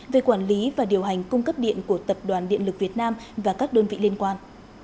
về quản lý và điều hành cung cấp điện của tập đoàn điện lực việt nam và các đơn vị liên quan